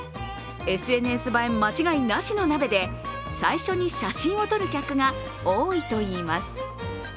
ＳＮＳ映え間違いなしの鍋で、最初に写真を撮る客が多いといいます。